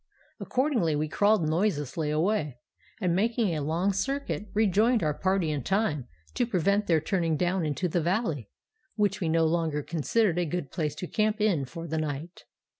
Accordingly we crawled noiselessly away, and making a long circuit, rejoined our party in time to prevent their turning down into the valley, which we no longer considered a good place to camp in for the night.